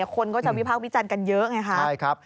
คนก็จะวิพากษ์วิจันทร์กันเยอะไงครับ